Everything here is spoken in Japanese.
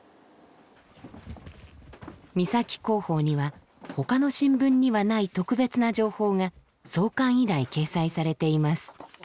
三崎港報には他の新聞にはない特別な情報が創刊以来掲載されています。